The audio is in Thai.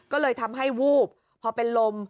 ก็เลยทำให้วูบพอเป็นลม